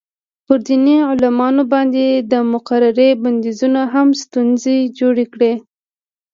پر دیني عالمانو باندې د مقررې بندیزونو هم ستونزې جوړې کړې.